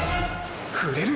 触れる！！